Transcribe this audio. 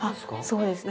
そうですね。